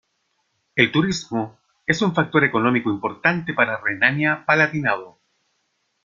El turismo es un factor económico importante para Renania-Palatinado.